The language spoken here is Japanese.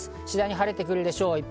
次第に晴れてくるでしょう。